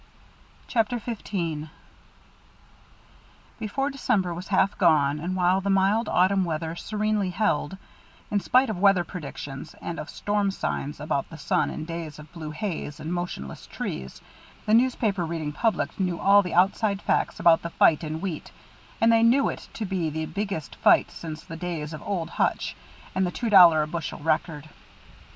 CHAPTER XV Before December was half gone and while the mild autumn weather serenely held, in spite of weather predictions and of storm signs about the sun and days of blue haze and motionless trees the newspaper reading public knew all the outside facts about the fight in wheat, and they knew it to be the biggest fight since the days of "Old Hutch" and the two dollar a bushel record.